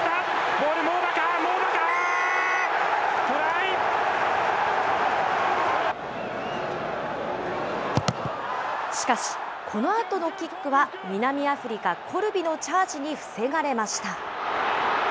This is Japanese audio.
ボール、しかし、このあとのキックは南アフリカ、コルビのチャージに防がれました。